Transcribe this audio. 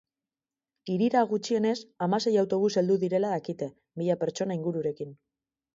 Hirira gutxienez hamasei autobus heldu direla dakite, mila pertsona ingururekin.